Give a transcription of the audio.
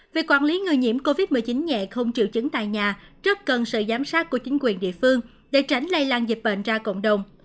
việc quản lý người nhiễm covid một mươi chín nhẹ không triệu chứng tại nhà rất cần sự giám sát của chính quyền địa phương để tránh lây lan dịch bệnh ra cộng đồng